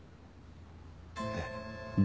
えっ？